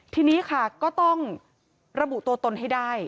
ทีนี้ค่ะก็ต้องระบุตัวตนให้ได้